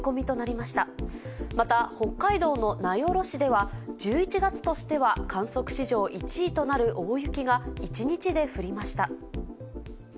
また、北海道の名寄市では、１１月としては観測史上１位となる大雪が１日で降りました。